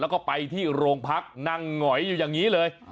แล้วก็ไปที่โรงพักนั่งหงอยอยู่อย่างนี้เลย